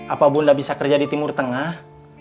apa bunda bisa kerja di timur tengah